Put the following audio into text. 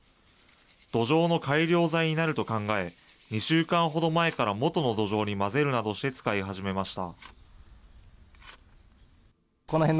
土壌の改良材になると考え、２週間ほど前から元の土壌に混ぜるなどして使い始めました。